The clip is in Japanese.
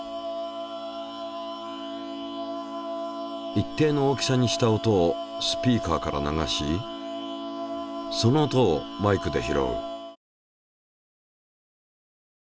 一定の大きさにした音をスピーカーから流しその音をマイクで拾う。